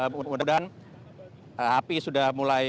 kemudian api sudah mulai